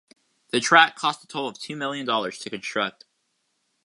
The track cost a total of two million dollars to construct.